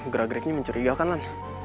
gerak geriknya mencurigakan lan